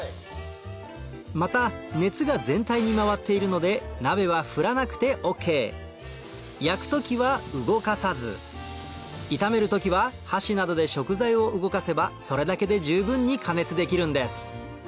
また熱が全体に回っているので鍋は振らなくてＯＫ焼く時は動かさず炒める時は箸などで食材を動かせばそれだけで十分に加熱できるんです